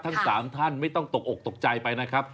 ทั้ง๓ท่านไม่ต้องตกอกตกใจไปนะครับ